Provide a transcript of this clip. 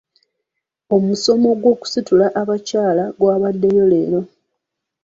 Omusomo gw'okusitula abakyala gwabaddeyo leero.